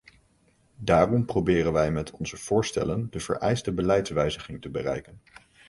Daarom proberen wij met onze voorstellen de vereiste beleidswijziging te bereiken.